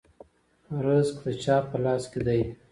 رزق د چا په لاس کې دی؟